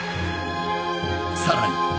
さらに。